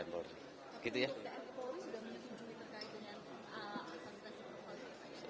tapi untuk tni polri sudah menyusun terkait dengan resiprokal tni dan polri